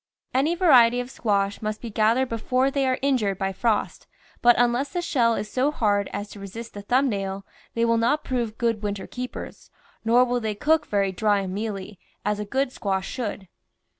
Any variety of squash must be gathered before they are injured by frost, but unless the shell is so hard as to resist the thumb nail, they will not prove good winter keepers, nor will they cook very dry and mealy, as a good squash should.